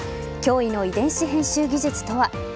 驚異の遺伝子編集技術とは。